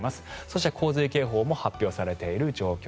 そして洪水警報も発表されている状況。